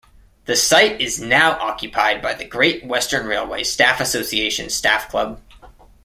The site is now occupied by the Great Western Railway Staff Association staff club.